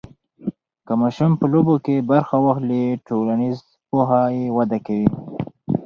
که ماشوم په لوبو کې برخه واخلي، ټولنیز پوهه یې وده کوي.